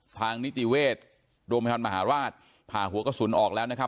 พางนิจิเวศร์โรมภัยภัณฑ์มหาวาสผ่าหัวกระสุนออกแล้วนะครับ